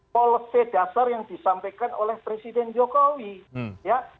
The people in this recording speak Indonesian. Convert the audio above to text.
policy dasar yang disampaikan oleh presiden jokowi ya